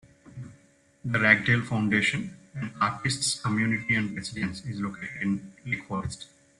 The Ragdale Foundation, an artists' community and residence, is located in Lake Forest.